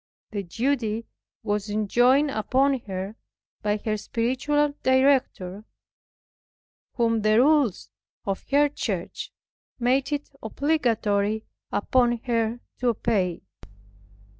The duty was enjoined upon her by her spiritual director, whom the rules of her church made it obligatory upon her to obey.